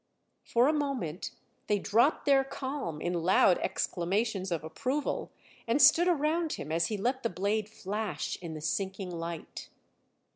For a moment they dropped their calm in loud exclamations of approval, and stood around him as he let the blade flash in the sinking light.